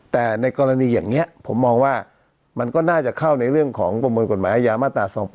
แต่ในกรณีอย่างนี้ผมมองว่ามันก็น่าจะเข้าในเรื่องของประมวลกฎหมายอาญามาตรา๒๘